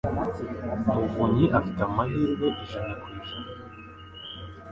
Muvunnyi afite amahirwe ijana ku ijana